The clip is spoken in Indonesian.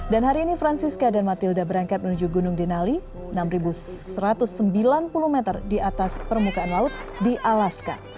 dan hari ini francisca dan mathilda berangkat menuju gunung denali enam ribu satu ratus sembilan puluh meter di atas permukaan laut di alaska